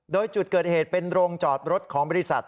โดยจุดเกิดเหตุเป็นโรงจอดรถของบริษัท